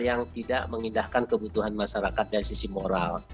yang tidak mengindahkan kebutuhan masyarakat dari sisi moral